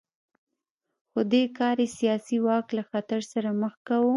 خو دې کار یې سیاسي واک له خطر سره مخ کاوه